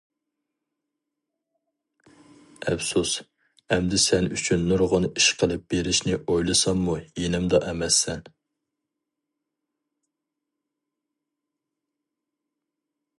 ئەپسۇس، ئەمدى سەن ئۈچۈن نۇرغۇن ئىش قىلىپ بېرىشنى ئويلىساممۇ يېنىمدا ئەمەسسەن.